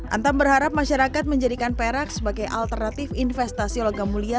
antam berharap masyarakat menjadikan perak sebagai alternatif investasi logam mulia